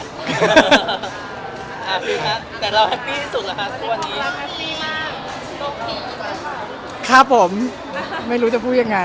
แต่เราแฮปปี้สุดหรอครับทุกวันนี้